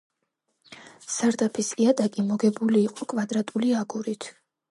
სარდაფის იატაკი მოგებული იყო კვადრატული აგურით.